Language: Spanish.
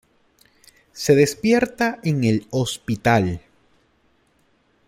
Se despierta en el hospital.